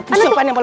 pusok apaan ya mbak